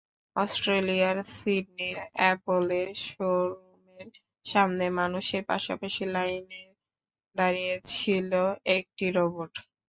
অস্ট্রেলিয়ার সিডনির অ্যাপলের শোর রুমের সামনে মানুষের পাশাপাশি লাইনে দাঁড়িয়েছিল একটি রোবট।